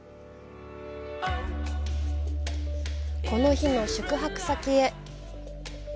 この日の宿泊先へ。